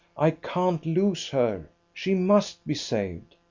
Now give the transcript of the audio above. I can't lose her! She must be saved!"